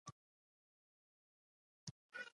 له داوود خان سره ودرېدل.